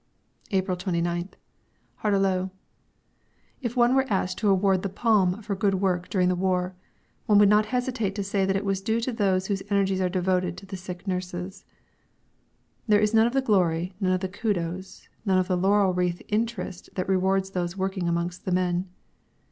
April 29th, Hardelot. If one were asked to award the palm for good work during the war, one would not hesitate to say that it was due to those whose energies are devoted to the sick nurses. There is none of the glory, none of the kudos, none of the laurel wreath interest that rewards those working amongst the men.